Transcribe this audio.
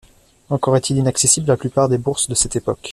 Encore est-il inaccessible à la plupart des bourses de cette époque.